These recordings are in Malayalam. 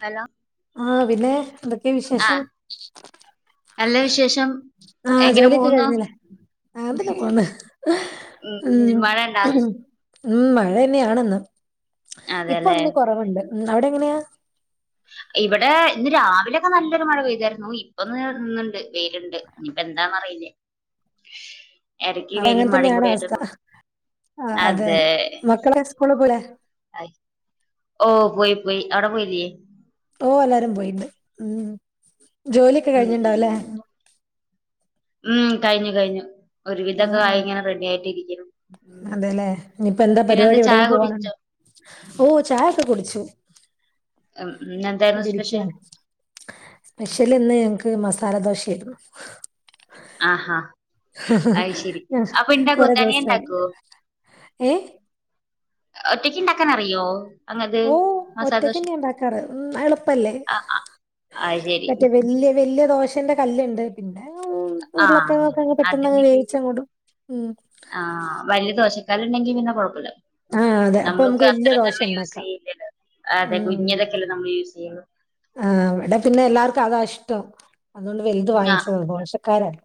ഹലോ ആഹ് പിന്നെ എന്തൊക്കെ ആ വിശേഷം നല്ല വിശേഷം എങ്ങനെ പോവുന്നു? ആങ്ങ്ത്തന്നെ പോന്ന് ഉം ഉം മഴെന്യാണ്ന്ന് അതെല്ലേ ഇപ്പൊന്ന് കൊറവ്ണ്ട് അവിടെങ്ങനെയാ? ഇവടെ ഇന്ന് രാവിലൊക്കെ നല്ലൊരു മഴ പെയ്തായിരുന്നു ഇപ്പൊന്ന് നിന്ന്ണ്ട് വെയില്ണ്ട് ഇഞ്പ്പെന്താന്നറിയില്ല്യ വ്ടെ അങ്ങൻ മഴയും കൂടി ആയിട്ട് തന്യയാണവസ്ഥ പോ- ആഹ് അതെ അതെ മക്കളെക്കെ സ്കൂൾല് പോയിലെ? ആയി ഓ പോയി പോയി അവ്ടെ പോയില്ല്യ? ഓ എല്ലാരും പോയിണ്ട് ഉം ജോലിയൊക്കെ ഉം ഉം കഴിഞ്ണ്ടാവുല്ലേ? ഉം കഴിഞ്ഞു കഴിഞ്ഞു ഒരുവിധൊക്കായിങ്ങനെ റെഡിയായിട്ട് രിക്ക്ണു അതേലേ ഇഞ്പ്പെന്താ പരിവാടി ചായ എവിടേലും പോവാന്ണ്ടൊ? കുടിച്ചോ ഓ ചായൊക്കെ കുടിച്ചു ഉം ഇന്നെന്തെ ഇവിടിരിക്ക്യാണ് സ്പെഷ്യല്ന്ന് ഞങ്ങക്ക് മസാല ദോശായ്രുന്നു ആഹാ അത് ശരി ആഹ് അപ്പൊ ഇണ്ടാക്കോ കൊറെ തനിയെ ദുവസായി ഇണ്ടാക്കോ എഹ്? ഒറ്റക്കിണ്ടാക്കാനറിയോ? ഓ ഒറ്റക്കന്നെയാ ഇണ്ടാക്കാറ് ഉം എളുപ്പല്ലേ? ആ ആ അത് ശരി മറ്റെ വല്ല്യ വല്ല്യ ദോശ അഛന്റെ കല്ല്ണ്ട് പിന്നെ ആഹ് ഉരുളക്കൊക്കെ അങ്ങ് പെട്ടെന്ന്ങ്ങ് വേവിച്ച കൂടും ഉ ആഹ് വലിയ ദോശക്കല്ല് ഉണ്ടെങ്കി പിന്നെ കൊഴപ്പമില്ല ആ അതെ അപ്പൊ നമ്മൾക്ക് നമുക്ക് വലിയ അത്ര ദോശ നല്ല യൂസ് ഉണ്ടാക്കാം ചെയ്യല്ലല്ലോ അതെ കുഞ്ഞതൊക്കെല്ലോ നമ്മള് യൂസ് ചെയ്യ ആഹ് വിടെ പിന്നെ എല്ലാർക്കും അതാ ഇഷ്ടം അതുകൊണ്ട് വലുത് വാങ്ങിച്ചത് ദോശക്കാരല്ല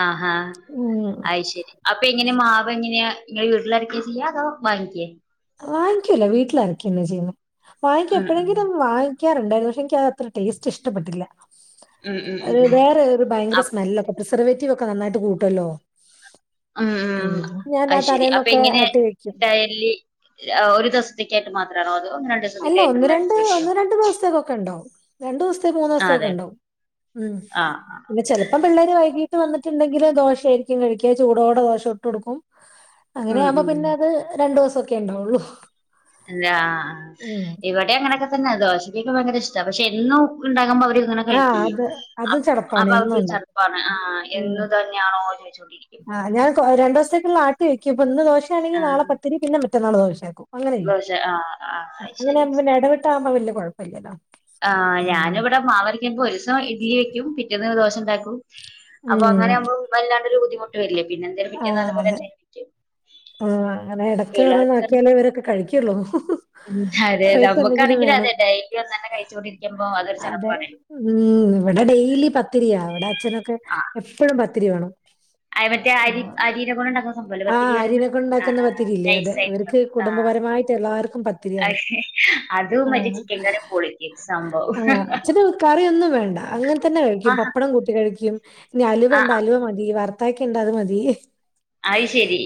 ആഹ് ആഹ് ഉം. അത് ശരി അപ്പൊ എങ്ങനെ മാവ് എങ്ങനെയാ ഇങ്ങെ വീട്ടിലരക്ക ചെയ്യാ അതോ വാങ്ങിക്കോ വാങ്ങിക്കല്ല വീട്ടിലരക്ക ചെയ്യുന്നേ, വാങ്ങിക്ക ഉം ഉം എപ്പോഴെങ്കിലും വാ വാങ്ങിക്കാറുണ്ടായിരുന്നു, പക്ഷെ എനിക്കത്ര ടേസ്റ്റ് ഇഷ്ടപ്പെട്ടില്ല ഉം ഉം ഉം ഉം വേറെ ഭയങ്കര അപ് സ്മെല്ല് പ്രസർവേറ്റീവ് ഒക്കെ നന്നായിട്ട് കൂട്ടുമല്ലോ ഉം ഞാൻ ആ അത് ശരി അപ്പൊ തലേന്നൊക്കെ എങ്ങനെ ആട്ടി വെക്കും ഡയ്ലി ഒരു ദിവസത്തേക്കായിട്ട്റ്റ് മാത്രമാണോ അതോ രണ്ട് ദിവസത്തേക്ക് അല്ല ഒന്ന് ഗ്രൈൻഡറിൽ രണ്ട് അരച്ച് വെക്കോ ഒന്ന് രണ്ട് ദിവസത്തേക്കൊക്കെ ഉണ്ടാവും രണ്ടു ദിവസത്തേ മൂന്നു ആ ദിവസത്തേ അതെ ഒക്കെ അതെ ഉണ്ടാവും ഉം, ആഹ് പിന്നെ ച അപ്പ പിള്ളേർ വൈകീട്ട് വന്നിട്ടുണ്ടെങ്കില് ദോശയായിരിക്കും കഴിക്കാ ചൂടോടെ ദോശ ചുട്ട് കൊടുക്കും അങ്ങനെയ ഉം ആകുമ്പോ ഉം പിന്നെ അത് രണ്ടു ദിവസം ഒക്കെ ഉണ്ടാവുള്ളു എല്ലാ ഇവിടെ അങ്ങനെയൊക്കെ തന്നെ ദോശയൊക്കെ ഭയങ്കര ഇഷ്ട പക്ഷെ എന്നും ഉണ്ടാകുമ്പോ അവര് അങ്ങനെ ആ കഴിക്ക്, അത് അ അതും ചടപ്പാണ് അപ്പൊ എന്നും അവർക്ക്, ഉണ്ടാക്കും ചെറപ്പാണ് ആ ഉം എന്നു ഇത്‌ തന്നെയാണോ ചോദിച്ചൊണ്ടിരിക്കും. ആ ഞാൻ രണ്ട് ദിവസത്തേക്കുള്ള ആട്ടി വെക്കും ഇപ്പൊ ഇന്ന് ദോശയാണെങ്കിൽ നാളെ ആഹ് പത്തിരി പിന്നെ മറ്റന്നാള് ദോശയായിരിക്കും അങ്ങനെ ചെയ്യും ദോശ ആഹ് ആഹ് അത് അങ്ങനെ ശരി ആവുമ്പം പിന്നെ എടവിട്ട് ആകുമ്പ വലിയ കുഴപ്പമില്ലല്ലോ ആ ഉം ഞാനിവിടെ മാവരക്കുമ്പൊ ഒരു ദിവസം ഇഡലി വെക്കും പിറ്റേന്ന് ദോഷം ഉണ്ടാക്കൂ അപ്പൊ ഉം അങ്ങനെ ആവുമ്പോ വല്ലാണ്ടരു ബുദ്ധിമുട്ട വരില്ലേ പിന്നെ എന്ത ആഹ് അതെ, ആഹ് അങ്ങനെ ഇടക്ക് ഓരോന്ന് ആക്കിയാലേ ഇവരൊക്കെ കഴിക്കു കഴിക്കുള്ളു ഉ അതെ നമുക്കാണെങ്കിലും അതെ ഡെയിലി ഒന്നു തന്നെ കഴിച്ചോണ്ടിരിക്കുമ്പോ അതൊരു അതെ വെറുപ്പാണേ ഉം ഇവിടെ ഡെയിലി പത്തിരിയാ ഇവിടെ അച്ഛനൊക്കെ എപ്പഴും പത്തിരി വേണം അ മറ്റേ അരി അരിനെകൊണ്ട് ആഹ് അരിനൊക്കെ ഉണ്ടാക്കുന്ന പത്തിരിയില്ലേ നൈസ് അതെ ഇവർക്ക് ആയിട്ടുള്ളത് ആ കുടുംബപരമായിട്ട് എല്ലാവർക്കും പ അതും മറ്റേ ചിക്കൻ കറിയും പൊളിക്കും സംഭവം അച്ഛന് കറിയൊന്നും വേണ്ട തന്നെ കഴിക്കും ആഹാ പപ്പടം കൂട്ടി കഴിക്കും ഇനി ആ അലുവയുണ്ടോ ആ അലുവ മതി, വറുത്തയൊക്കെ ഉണ്ടേ, അത് മതി. അയ്ശരി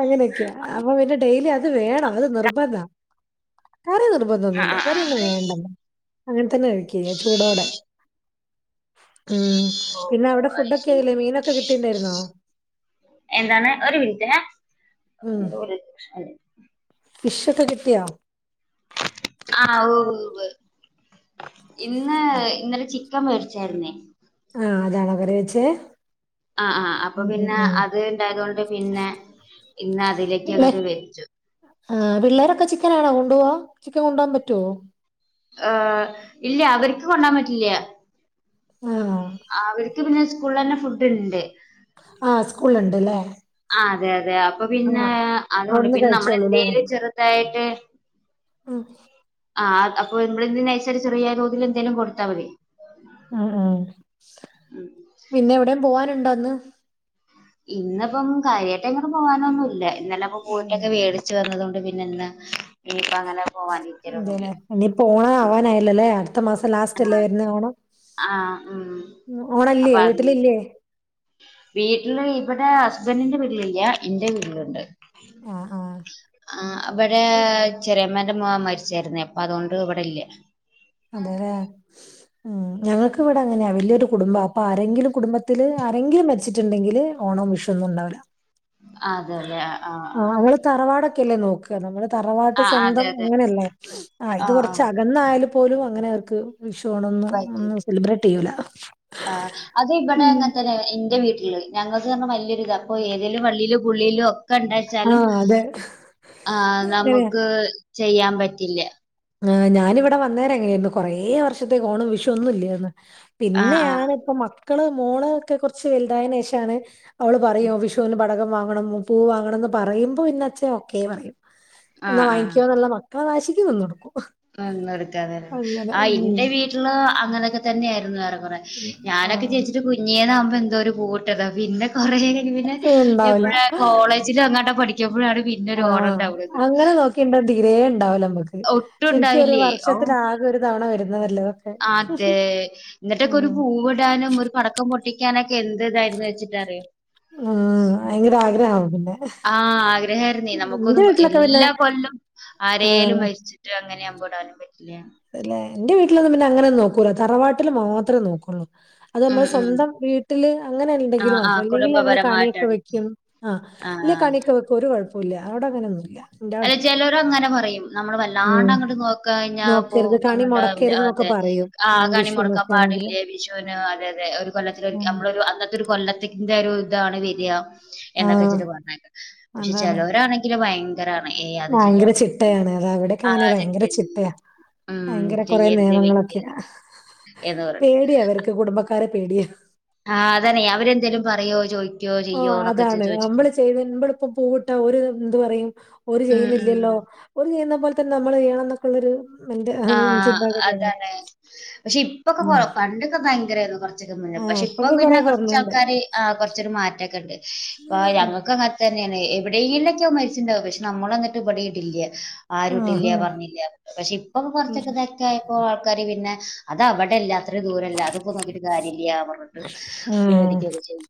അങ്ങനെയൊക്കെയ അപ്പൊ പിന്നെ ഡെയിലി അത് വേണം അത് നിർബന്ധ കറി നിർബധ നിർബധ ആ ഒന്നുമില്ല, ആ ആ കറിയൊന്നും വേണ്ടല്ലഅങ്ങനെ തന്നെ കഴിക്ക ചൂടോടെ. ഉം, ഓ പിന്നെ ഓ അവിടെ ഫുഡൊക്കെ ആയില്ലേ മീനൊക്കെ കിട്ടിണ്ടായിരുന്നോ. ഏതാണെ ഒരു മിനിറ്റേ ഫിഷ് ഒക്കെ കിട്ടിയ ആഹ് ഓ ഇന്ന് ഇന്നലെ ചി ക്കൻ മേടിച്ചായിരുന്നേ ആഹ് അതാണ കറി വെച്ചേ ആഹ് ആഹ് അപ്പൊ ഉം ഉം പിന്നെ ഉം അത് ഉണ്ടായത് കൊണ്ട് പിന്നെ ഇന്ന് അതിലേക്ക് അങ്ങോട്ട് വച്ചു ആ പിള്ളേരൊക്കെ ചിക്കൻ ആണോ കൊണ്ടു പോവാ ചിക്കൻ കൊണ്ടു പോകാൻ പറ്റുവോ ഏ ഇല്ല അവർക്ക് കൊണ്ടാൻ പറ്റില്ല ആഹ് ആ അവർക്ക് പിന്നെ സ്കൂള് തന്നെ ഫുഡ് ഉണ്ട് ആഹ് സ്കൂൾണ്ട്ല്ലേ ആഹ് അതെ അതെ അപ്പൊ പിന്നെ അതുകൊണ്ട് അവിടുന്ന് പിന്നെ നമ്മൾ കഴിച്ചോളൂല്ലേ എന്തേലും ചെറുതായിട്ട് ഉം ആഹ് അപ്പൊ നമ്മെന്തന് അനുസരിച്ച് ചെറിയാ തോതിൽ എന്തേലും കൊടുത്താൽ മതി ഉം ഉം പിന്നെ എവിടെയും പോവാനുണ്ടോ അന്ന് ഇന്നിപ്പം കാര്യമായിട്ട്‌ എങ്ങും പോകാനൊന്നും ഇല്ല, ഇന്നലെ ഇപ്പൊ ഉം പോയിട്ടൊക്കെ മേടിച്ച്‌ വന്നതൊണ്ട് പിന്നെ നിന്ന് പിന്നപ്പ അങ്ങനെ പോവാൻ ഇരിക്കലൊന്നുല്ല അതല്ലെ ഇനിയിപ്പം ഓണം ആവാനായില്ലല്ലേ അടുത്തത് മാസം ലാസ്റ്റ് അല്ലേ ആഹ് വരുന്നത് ഓണം, ആഹ് ഉം ഓണം ഇല്ലേ അപ്പൊ അത് വീട്ടില് ഇല്ലയേ വീട്ടില് ഇവിടെ ഹസ്ബൻന്റിന്റെ വീട്ടിലില്ല, എന്റെ വീട്ടിലുണ്ട് ആഹ ആ ആ അവിടെ ചെറിയമ്മേന്റെ മോൻ മരിച്ചായിരുന്നേ, അപ്പൊ അതുകൊണ്ട് ഇവിടില്ല അതെല്ലേ ഉം ഞങ്ങൾക്ക് ഇവിടെ അങ്ങനെയാ വലിയൊരു കുടുംബ അപ്പൊ ആരെങ്കിലും കുടുംബത്തില് ആരെങ്കിലും മരിച്ചിട്ടുണ്ടെങ്കില് ഓണോ വിഷുന്നുണ്ടാവില്ല അതെല്ലെ ആഹ ആഹ ആഹ തറവാടൊക്കെല്ലേ നോക്കുക നമ്മള് തറവാട്ട് ആ ആ, അതെ സ്വന്തം അതെ അങ്ങനെയല്ലേ ആ ഇത് കുറച്ച് അക ന്നായാല് പോലും അങ്ങനെക്ക് വിഷു ഓണോന്ന് പറ്റി ഒന്നും സെലിബ്രേറ്റ് ചെയ്യൂല ആ ഉം ഞങ്ങക്ക് പറഞ്ഞൽ വലിയൊരിതാ അപ്പോ ഏതേലും വള്ളിലോ പുള്ളിലോ ഒക്കെ ഉണ്ട ആ ചാലും അതെ ആ അങ്ങനെയാ നമുക്ക് ചെയ്യാൻ പറ്റില്ല ആ ഞാനിവിടെ വന്നേരം എങ്ങനെയായിരുന്നു കൊറെ വർഷത്തേക്ക് ഓണം വിഷു ഒന്നൂല്ലാരുന്നു ആ ആ പിന്നെയാണ് ഇപ്പൊ മക്കള് മോളാ ഒക്കെ കുറച്ച് വലുതായെന്‌ ശേഷാണ് അവള് പറയു വിഷുവിന് പടകം വാങ്ങണം പൂ വാങ്ങണന്ന് പറയുമ്പോ പിന്ന അച്ഛാ ഒക്കേ പറയും ആ എന്നാ ആ വാങ്ങിക്കാന്നോള്ള മക്കളെ വാശിക്ക് നിന്നോടുക്കും നിന്ന് കൊടുക്കാതെ ആ എന്റെ വീട്ടില് അങ്ങനെയൊക്കെ തന്നെയായിരുന്നു ഏറെക്കുറെ ഞാനൊക്കെ ആഹ് ചേച്ചിട്ട് പിന്നെ കുറെ [unintelligible] ഉണ്ടാവൂല എപ്പോഴാ കോളേജിൽ എങ്ങാണ്ട് പഠിക്കുമ്പോഴാണ് പിന്നെ ഒരു ഓണം ഉണ്ടാവുന്നത് തീരെണ്ടാവല്ലോ നമുക്ക് ഒട്ടും ശരിക്കും ഒരു ഉണ്ടാവില്ലേ ഓ വർഷത്തിലാകെ ഒരു തവണ വരുന്നതാലോ അതെ എന്നിട്ടൊക്കെ ഒരു പൂവിടാനും ഒരു പടക്കം പൊട്ടിക്കാനൊക്കെ എ വെച്ചിട്ട് അറിയോ [unintelligible] ഉം അയിന് ഒരാഗ്രഹാവും പിന്നെ ആഹ് ആഗ്രഹമായിരുന്നു എന്റെ നമുക്കൊന്നും വീട്ടിലൊക്കെ പിന്നെ എല്ലാ കൊല്ലോവും ആരെലും ആഹ് മരിച്ചു- എനിക്ക് അങ്ങനെ ആവുമ്പോ ഇടാനും പറ്റില്ല അതയല്ലേ എന്റെ വീട്ടിലൊന്നും പിന്നെ അങ്ങനെ ഒന്നും നോക്കൂല്ല തറവാട്ടില് മാത്രമേ നോക്കുള്ളൂ അത് ഉം നമ്മള് ഉം. സ്വന്തം വീട്ടില് അങ്ങനെ ഇണ്ടെങ്കിൽ ആഹ് മാത്രം ആഹ് ഇല്ലെങ്കിൽ ഞങ്ങള് കണിയൊക്കെ കുടുംബപരമായിട്ടാണ്. വെക്കും ആഹ് ആഹ് കണി ഒക്കെ വെക്കും ഒരു കൊഴപ്പമില്ല അവിടെ അങ്ങനൊന്നും ഇല്ല അല്ല ചെലര് അങ്ങനെ പറയും നമ്മള് ഉം വല്ലാണ്ട് അങ്ങോട്ട് നോ കഴിഞ്ഞ നോക്കരുത് പോവും കണി [unintelligible] മുടക്കരുത് എന്നൊക്കെ അതെ പറയും ഉം ആഹ് കണി മുടക്കാൻ വിഷുവിനൊക്കെ ആണെങ്കില് പാടില്ലേ വിഷുവിന് അതെയതെ കൊല്ലത്തിലേ ഒരിക്ക നമ്മള് ഒരു അന്നത്തെ ഒരു കൊല്ലത്തിന്റെ ഒരു ഇതാണ് വരാ. ആ എന്നൊക്കെ വച്ചിട്ട് പറഞ്ഞ പക്ഷെ അതാണ് ചെലോരാണെങ്കില് ഭയ ഭയങ്കര ചിട്ടയാണ് അത അവടെക്കെ അങ്ങനെയാ ആഹ് ഭയങ്കര തെറ്റ്. ചിട്ടയാ. ഉം ഭയങ്കര കൊറെ ചെയ്യരുത് വെയ്യ് നിയമങ്ങളൊക്കെയ. എന്ന് പറിം പേടിയ അവർക്ക് കുടുംബക്കാരെ പേടിയാ ആഹ് അതാണ് അവരെന്തേലും പറയോ ചോയി ഓഹ് അതാണ് നമ്മള് ചെയ്ത നമ്മളിപ്പം പൂവിട്ട ഓര് എന്ത് പറയും. ഓര് ഉം ഉം ചെയ്യുന്നില്ലല്ലോ ഓര് ചെയ്യുന്ന പോലെ തന്നെ നമ്മള് ചെയ്യണം എന്നൊക്കെയുള്ളരു ആഹ് അതാണ് പക്ഷെ ഇപ്പൊക്കെ ഉം. കൊറ പണ്ടൊക്കെ ഭയങ്ക രായിരുന്നു കൊറ ന്നുല്ല ആ പക്ഷെ ഇപ്പൊ ഇപ്പൊക്കെ കുറെ പിന്നെ കൊറച്ച് കുറഞ്ഞുണ്ട് ആൾക്കാര് ആഹ് കൊറ് ച്ച് ര് മാറ്റം ഒക്കെ ഉണ്ട് ഇപ്പൊ ഉം. ഞങ്ങൾക്ക് അങ്ങ തന്നെയാണ് എവിടെയെങ്കിലൊക്കെ മരിച്ചിണ്ടാവും പക്ഷെ നമ്മള എന്നട്ട് ഇമ്പ ടീം ഇടില്ല ആ, ആരുട്ടില്ല ആ. പറഞ്ഞില്ല പക്ഷെ ഇപ്പം ഉം. കൊറച്ചൊക്കെ ഇതൊക്കെ ആയപ്പോ ആൾക്കാാര് പിന്നെ അതവടെല്ല അത്ര ദൂരല്ല അതൊക്ക നോക്കിട്ട് കാര്യല്ല്യ പറഞ്ഞ്ട്ട് ഉം. വേടിക്കൊക്കെ ചെയും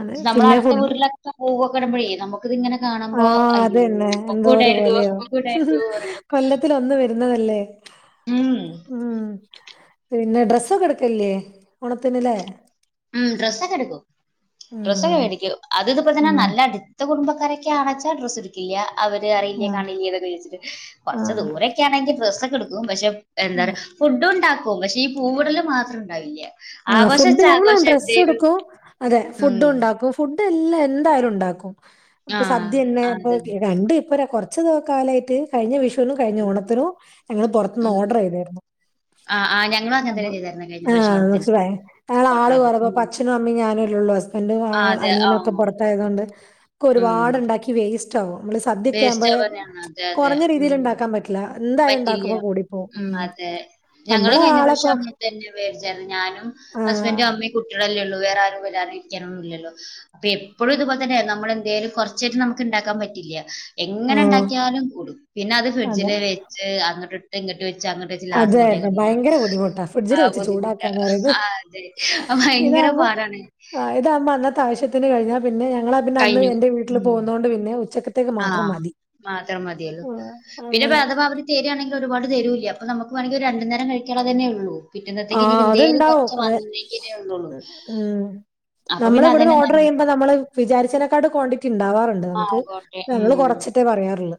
അതെ നമ്മള പിന്നെ അടുത്ത ഫുഡ് വീട്ടിലൊക്കെ പൂവൊക്കെടുമ്പോഴേ നമുക്ക് ഇത്ങ്ങനെ കാണുമ്പോ ആഹ് അയ്യോ അതന്നെ എന്തോ ഇവക്കും ഒരു ഇടായിരുന്നു പോലെ യാ ഇവക്കും ഇടായിരുന്നു പറഞ്ഞിട്ട് കൊല്ലത്തിൽ ഒന്ന് വരുന്നതല്ലേ ഉം ഉം പിന്നെ ഡ്രസ്സൊക്കെ എടുക്കലില്ലേ ഓണത്തിന്ല്ലേ ഉം ഡ്രസ്സൊക്കെ എടുക്കും ഡ്രസ്സൊക്കെ ഉം മേടിക്കും അത് ഇത്പ്പോ തന്നെ ഉം നല്ല ടു ൻത്തെ കുടബക്കാരക്കെ ആണച്ചാ ഡ്രസ് എടുക്കില്ല അവര് അറിയില്ലേ ഉം കാണലില്ലേന്നൊക്കെയ്ച്ച്ട്ട് കുറച്ച് ആഹ് ദൂരൊക്കെയാണെങ്കിൽ ഡ്രസ്സൊക്കെ ഇട്ക്കും. പക്ഷെ എന്താ പറ ആഹ് ഫുഡും ഉണ്ടാക്കും പക്ഷെ ഈ പൂവിടല് മാത്രം ഉണ്ടാവില്ലേ ആകോശ ഷ ഡ്രസ് എടുക്കും അതെ ഫുഡ് ഉണ്ടാക്കും ഫുഡ് എല്ലാം എന്തായാലും ഉണ്ടാക്കും ഇപ്പൊ ആഹ് സദ്യ തന്നെ ഇപ്പൊ അതെ രണ്ട ഇപ്പര കുറച്ച് കാലമായിട്ട് കഴിഞ്ഞ വിഷുവിനും കഴിഞ്ഞ ഉം ഓണത്തിനും ഞങ്ങള്ൾ പുറത്തുന്ന് ഉം ഓർഡർ ചെയ്തായിരുന്നു ആഹ് ആഹ് ഞങ്ങളും ആ അങ്ങനെ തന്നെ ആഹ ചെയ്തായിരുന്നു കഴിഞ്ഞ പ്രാവശ്യം ഓണത്തിന് ന [unintelligible] ഞങ്ങൾ ഓർഡർ ആള് ചെയ്തു കുറ ഉം അച്ഛനും അമ്മയും ഞാനുംല്ലള്ളൂ ഹസ്ബൻഡും ആ അതെ അനിയനും ഒക്കെ ആഹ് പുറത്തായതൊണ്ട് ഉം ഒരുപാട്ണ്ടാക്കി വേസ്റ്റ് ആകും നമ്മള് വേസ്റ്റ് സദ്യക്കാവുമ്പോ ആവാനാണ് അതെ അതെ കുറഞ്ഞ രീതിയിൽ ഉം ഉണ്ടാക്കാൻ പറ്റും എന്തായാലും പറ്റില്ല ഉണ്ടാക്കുമ്പോ കൂടിപ്പോ ഉ ഉം അതെ നമ്മള് ആളെപ്പോ വെടിച്ചായിരുന്നു ഞാനും ആഹ്. ഹസ്ബൻറും അമ്മയും കുട്ടികളല്ലേ ഉള്ളൂ വേറെ ആരും വരാണ്ട് ഇരിക്കാനൊന്നുമല്ലല്ലോ അപ്പൊ എപ്പോഴും ഉം. ഇതുപോലെ തന്നെ നമ്മളെന്തൊലും കുറച്ചായിട്ടും നമുക്ക് ഉണ്ടാക്കാൻ പറ്റില്ല എങ്ങനെ ആഹ്. ഉണ്ടാക്കിയാലും കൂടുക്കും പിന്നെ അത് അതെ. ഫ്രിഡ്ജില് വെച്ച് അങ്ങോട്ട് ഇട്ട് ഇ അങ്ങോട്ട് വെച്ച് അത് ലാസ്റ്റ് കൊണ്ടുപോയി തന്നെ. കളയും ഭയങ്കര ബുദ്ധിമുട്ടാ. ഫ്രിഡ്ജിൽ ആ വെച്ച് ബുദ്ധിമുട്ട് ചൂടാക്കാന്ന് പറയുന്നത്. ആ അതെ അ ഭയങ്കര പാടാണ് ഇത് അമ്മ അന്ന ആശ്യത്തിന് കഴിഞ്ഞാ പിന്നെ ഞങ്ങളാ പിന്നെ അന്ന് എന്റെ വീട്ടിൽ പോകുന്നുക കൊണ്ട് പിന്നെ ഉച്ച ആഹ മാത്രം മതിയല്ലോ ആഹ്. പിന്നെ അങ്ങനെ. അഥവാ തരികണെങ്കിൽ ഒരുപാ തരുല്ല അപ്പൊ നമുക്ക് വണെങ്ക ഒരു രണ്ട നേരം കഴ തന്നെ ഉള്ളൂ പിന്നന്നത്തേക്ക് ആഹ് എന്തേര് അതുണ്ടാവും. കുറച്ച അതെ. വന്നങ്കേ ഉള്ളള്ളു ഉം. അപ്പൊ പിന്നെ അതന്നെ നല്ലത് വിചാരിച്ചതിനെക്കാട് കോണ്ടിറ്റ് ഉണ്ടാവാറുണ്ട് ആ നമുക്ക് ആയിക്കോട്ടെ നമ്മള് കുറച്ചിട്ടേ പറയാറുള്ളൂ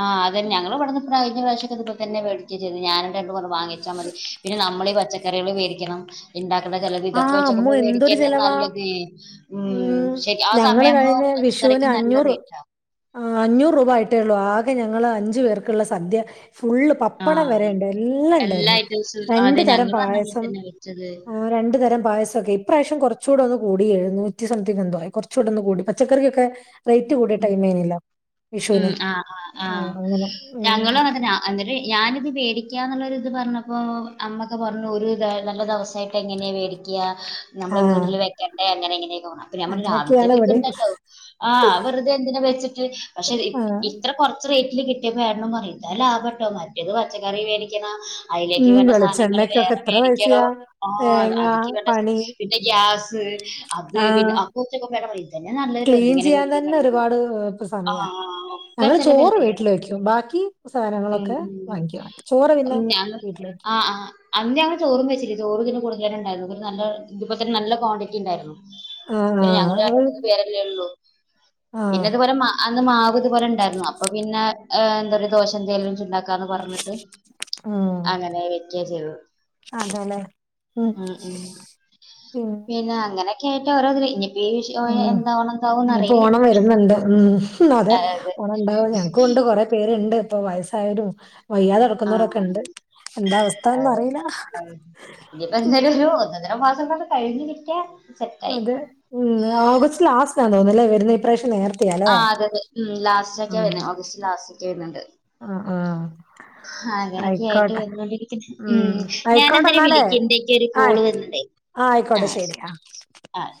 ആഹ് അതന്ന ഞങ്ങള്ൾവിടന്ന ഇഴിഞ്ഞ പ്രാവശ്യക്ക ഇപ്പോ തന്നെടിച്ച്ത് ഞാനും രണ്ടുന്ന് വാങ്ങിച്ചാ മതി പിന്നെ നമ്മൾ ഈ പച്ചക്കറികള് മേിക്കണം ഉണ്ടാക്കണ ചിലത് ഇതൊക്കെ ആഹ് അമ്മോ വെച്ചക്കുമ്പോ മേടിക്ക എന്തൊരു തന്നെ ചെലവാ നല്ലത് ഉം ഉ ആ ഞങ്ങള് സമയ ആുമ്പോ പച്ചക്കറിക്ക് നല്ല റേറ്റ് ആും ആ അഞ്ഞൂറ് രൂപ ആയിട്ടേള്ളൂ ആകെ ഞങ്ങള്ൾ അഞ്ചു പേർക്കുള്ള സദ്യ ഫുള് ആ പപ്പടം വരെുണ്ട് എല്ലാം എല്ലാ ഉണ്ടായിരുന്നു രണ്ടു തരം പായസം ച്ചത് രണ്ട് തരം പായസൊക്കെ ഇപ്രാവിശ്യം കൊറച്ചൂടെ ഒന്ന് കൂടി എഴുന്നൂറ്റി സംതിങ് എന്തോ ആയി കുറച്ചൂടെ ഒന്ന് കൂടി പച്ചക്കറിക്കൊക്കെ റേറ്റ് കൂടിയ ടൈമേനല്ല ഉം വിഷുവിന് ആ ആ ആ ആഹ് അങ്ങനെ ഉം ഞങ്ങളും അങ്ങനെ തന്നെ എന്നിട്ട് ഞാനിത് പേടിക്കാന്നുള്ളരി ഇത് പറഞ്ഞപ്പോ അമ്മൊക്കെ പറഞ്ഞു ഒരു ഈ നല്ല ദിവസമായിട്ട് എങ്ങനെയാണ് മേടിക്കുക നമ്മള് ആഹ് വീട്ടില് വെക്കേണ്ടേ എങ്ങനെ എങ്ങനെയക്കെ അപ്പ നമ്മൾ രാവിലത്തെ അങ്ങനൊക്കെയാണ് ഇവിടെ വെക്കണ്ടല്ലോ ആഹ് വെറുതെ എന്തിനാ വെച്ചിട്ട് പക്ഷെ ആഹ് ഇത്ര കൊറച്ച് റേറ്റില് കിട്ടിയപ്പോരണം പറയും ഇന്താ ലാഭ കേട്ടോ മറ്റേത് പച്ചക്കറി വേലിക്കുന്ന അതിലേക്ക് ഉം വേണ്ട സാധനങ്ങൾ വെളിച്ചെണ്ണക്കൊക്കെ വേറെ എത്ര മേടിക്കലോ പൈസയാ ആഹ് തേങ്ങ അതിക്ക് വേണ്ട പണി പിന്നെ ഗ്യാസ് അത് പിന്നെ ആഹ് കുറച്ചൊക്കെ വേണ്ട പറയായും ഇതന്നെ നല്ലതട്ടോ എഹ് ഇങ്ങനെ പിന്ന ഒരുപാട് സമയ ഒക്കെ ഞങ്ങള് ചോറ് ചെലവല്ലേ വീട്ടിൽ വെക്കും ബാക്കി ഉം സാധനങ്ങളൊക്കെ ഉം വാങ്ങിക്ക ചോറ് പിന്നെ [unintelligible] ആഹ് ആഹ് അന്ന്ഞങ്ങ ചോറും വച്ചില്ല ചോറ് ഇതിൻ്റെ കൂടെ തന്നെണ്ടായിരുന്നു ഒരു നല്ല ഇതിപ്പോ തന്നെ നല്ല ക്വാണ്ടിറ്റി ഉണ്ടായിരുന്നു ആഹ് പിന്നെ ഞങ്ങ ആഹ് അന്ന് പേരല്ലേള്ളു പിന്നെ ആഹ് ഇതുപോലെ അന്ന് മാവ ഇതുപോലെ ഉണ്ടായിരുന്നു അപ്പൊ പിന്നെ എന്താ ദോഷ എന്തെിലും വ ഉണ്ടാക്ക ന്ന് പറഞ്ഞിട്ട് ഉം അങ്ങനെ വറ്റുക ചെയ്തു അതെല്ലേ ഉം ഉം ഉം പിന്ന അങ്ങനെ ഉം [unintelligible] ഇനിയിപ്പോ ഓണം വരുന്നുണ്ട് ഉം അതെ അതായത് ഓണം ഉണ്ടാവും ഞങ്ങക്ക് കൊണ്ട് കൊറെ പേരുണ്ട് ഇപ്പ വയസ്സായാലും വയ്യാത ആഹ് ന്നരൊക്കെ ഉണ്ട് എന്ത അവസ്ഥന്ന് അതെ അറിയില്ല ഉം മസാവ കൊ കഴിഞ്ഞ കിട്ട അതെ ഉം ഓഗസ്റ്റ് ലാസ്റ്റിനാ തോന്നുന്നല്ലേ വരുന്ന ഈ പ്രാവശ്യം നേരത്തെ ആഹ് അതെതെ ഉം ലാസ്റ്റ ഒക്കെയ വരുന്നു ഓഗസ്റ്റ് ലാസ്റ്റ ഒക്കെ വരുന്നുണ്ട് ആഹ് ആഹ് അങ്ങനൊക്കെയ ആയിട്ട് ആയിക്കോട്ടെ വന്നോണ്ടിരിക്കുന്നു ഉം ഞാൻ ആയിക്കോട്ടെ എന്തലും എന്നാലേ വിളിക്കണ്ടെ എനിക്ക് ഒരു ആഹ് കോള് വന്നണ്ടേ ആഹ് ആയിക്കോട്ടെ ശെരി. ആഹ്